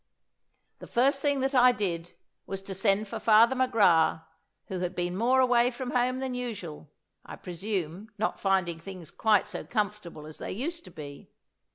"The first thing that I did was to send for Father McGrath, who had been more away from home than usual I presume, not finding things quite so comfortable as they used to be.